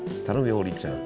王林ちゃん